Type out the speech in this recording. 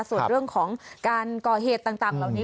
ส่วนเรื่องของการก่อเหตุต่างเหล่านี้